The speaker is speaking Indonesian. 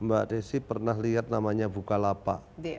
mbak desi pernah lihat namanya bukalapa